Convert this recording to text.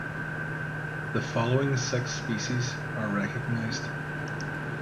The following six species are recognized.